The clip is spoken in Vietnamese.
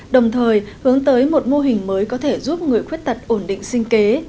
đồng thời hướng tới một mô hình mới có thể giúp người khuyết tật ổn định sinh kế